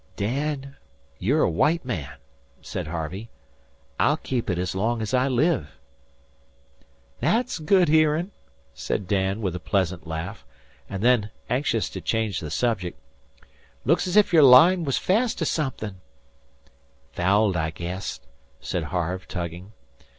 "Dan, you're a white man," said Harvey. "I'll keep it as long as I live." "That's good hearin'," said Dan, with a pleasant laugh; and then, anxious to change the subject: "'Look's if your line was fast to somethin'." "Fouled, I guess," said Harve, tugging.